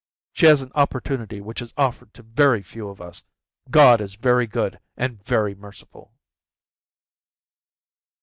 She has an opportunity which is offered to very few of us. God is very good and very merciful."